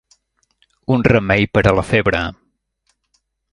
Un remei per a la febre.